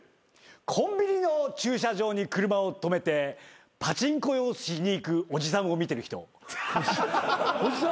コンビニの駐車場に車を止めてパチンコをしに行くおじさんを見てる人。